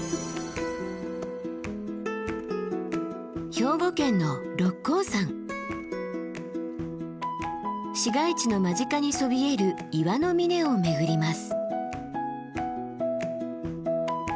兵庫県の市街地の間近にそびえる岩の峰を巡ります。